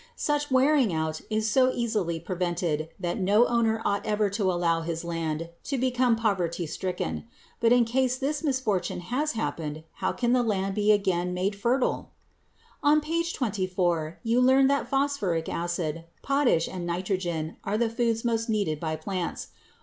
Such wearing out is so easily prevented that no owner ought ever to allow his land to become poverty stricken. But in case this misfortune has happened, how can the land be again made fertile? On page 24 you learned that phosphoric acid, potash, and nitrogen are the foods most needed by plants.